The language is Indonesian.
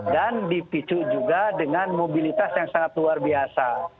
dan dipicu juga dengan mobilitas yang sangat luar biasa